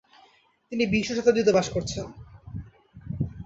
তিনি বিংশ শতাব্দীতে বাস করছেন।